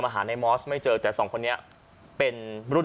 พี่บ้านไม่อยู่ว่าพี่คิดดูด